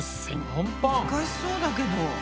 難しそうだけど。